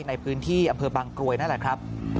ในพื้นที่อำเภอบางกรวยนั่นแหละครับ